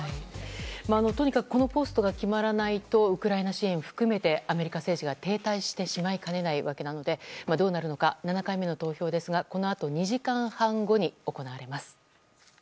とにかくこのポストが決まらないとウクライナ支援を含めてアメリカ政治が停滞してしまいかねないわけなのでどうなるのか、７回目の投票はこのあと２時間半後に行われます。